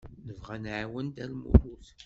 Nebɣa ad nɛawen Dda Lmulud.